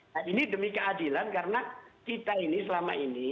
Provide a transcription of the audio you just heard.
nah ini demi keadilan karena kita ini selama ini